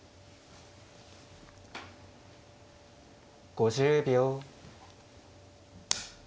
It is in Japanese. ５０秒。